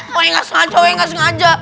wah ya gak sengaja